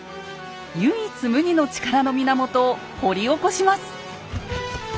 唯一無二の力の源を掘り起こします。